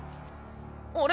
あれ？